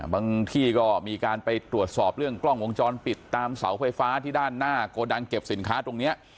ที่ก็มีการไปตรวจสอบเรื่องกล้องวงจรปิดตามเสาไฟฟ้าที่ด้านหน้าโกดังเก็บสินค้าตรงนี้